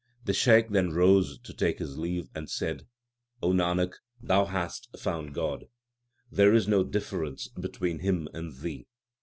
The Shaikh then rose to take his leave, and said, O Nanak, thou hast found God. There is no difference between Him and thee.